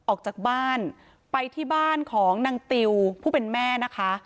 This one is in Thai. ออกจากบ้านไปที่บ้านของนางติวผู้เป็นแม่นะคะ